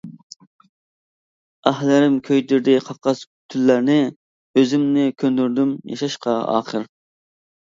ئاھلىرىم كۆيدۈردى قاقاس تۈنلەرنى، ئۆزۈمنى كۆندۈردۈم ياشاشقا ئاخىر.